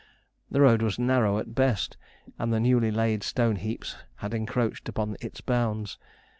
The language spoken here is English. The road was narrow at best, and the newly laid stone heaps had encroached upon its bounds.